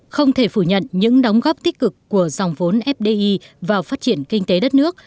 không thể phủ nhận những đóng góp tích cực của dòng vốn fdi vào phát triển kinh tế đất nước